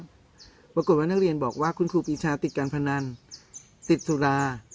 ปรากฏว่านักเรียนบอกว่าคุณครูปีชาติดการพนันติดสุรา